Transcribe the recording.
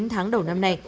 chín tháng đầu năm nay